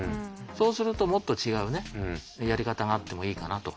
そうするともっと違うねやり方があってもいいかなと。